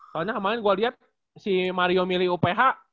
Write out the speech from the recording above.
soalnya kemarin gua liat si mario milih uph